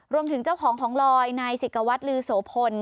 รวมถึงเจ้าของของลอยนายสิกวัฒนลือโสพล